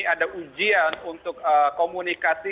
ada ujian untuk komunikasi